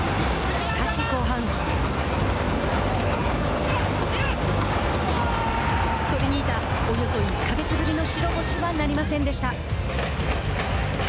しかし、後半トリニータおよそ１か月ぶりの白星はなりませんでした。